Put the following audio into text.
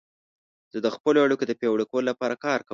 زه د خپلو اړیکو د پیاوړي کولو لپاره کار کوم.